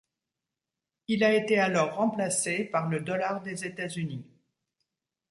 Il a été alors remplacé par le dollar des États-Unis.